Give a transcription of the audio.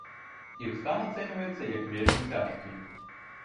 Іх стан ацэньваецца як вельмі цяжкі.